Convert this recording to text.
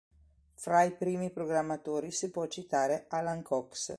Fra i primi programmatori si può citare Alan Cox.